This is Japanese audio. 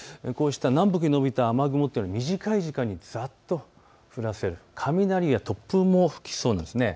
こうした南北に延びた雨雲というのは短い時間にざっと降らせる雷や突風も吹きそうなんです。